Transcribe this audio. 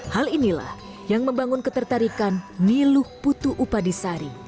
hal inilah yang membangun ketertarikan niluh putu upadisari